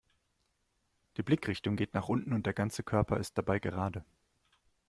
Die Blickrichtung geht nach unten und der ganze Körper ist dabei gerade.